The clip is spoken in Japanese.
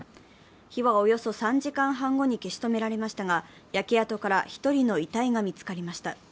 火はおよそ３時間半後に消し止められましたが焼け跡から１人の遺体が見つかりました。